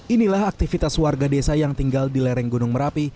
inilah aktivitas warga desa yang tinggal di lereng gunung merapi